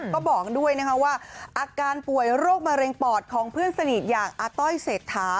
ก็บอกด้วยนะคะว่าอาการป่วยโรคมะเร็งปอดของเพื่อนสนิทอย่างอาต้อยเศรษฐา